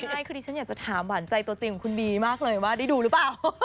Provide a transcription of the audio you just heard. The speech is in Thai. ใช่คือดิฉันอยากจะถามหวานใจตัวจริงของคุณบีมากเลยว่าได้ดูหรือเปล่า